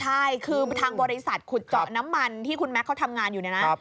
ใช่คือทางบริษัทขุดเจาะน้ำมันที่คุณแม็กซเขาทำงานอยู่เนี่ยนะ